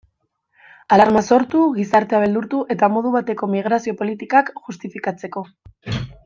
Alarma sortu, gizartea beldurtu, eta modu bateko migrazio politikak justifikatzeko.